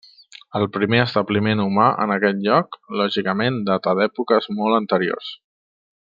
El primer establiment humà en aquest lloc, lògicament, data d'èpoques molt anteriors.